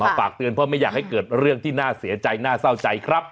ฝากเตือนเพราะไม่อยากให้เกิดเรื่องที่น่าเสียใจน่าเศร้าใจครับ